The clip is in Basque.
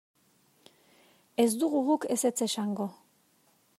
Ez dugu guk ezetz esango.